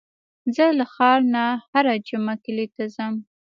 زه له ښار نه هره جمعه کلي ته ځم.